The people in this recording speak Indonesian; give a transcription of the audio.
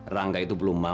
rangga itu belum berhasil